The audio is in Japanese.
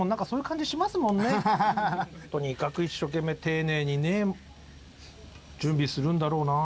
とにかく一生懸命丁寧にね準備するんだろうなって。